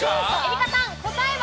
愛花さん、答えは？